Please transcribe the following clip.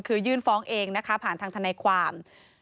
คือยื่นฟ้องเองผ่านทางธนาความ